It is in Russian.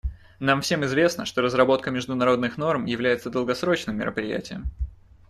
Нам всем известно, что разработка международных норм является долгосрочным мероприятием.